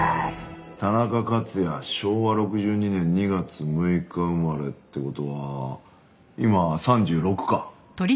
田中克也昭和６２年２月６日生まれって事は今３６か。